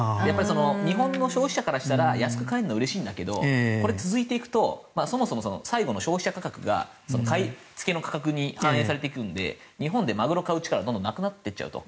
日本の消費者からしたら安く買えるのはうれしいんだけど続いていくとそもそも最後の消費者価格が買いつけの価格に反映されていくので日本でマグロを買う力がどんどんなくなっていっちゃうと。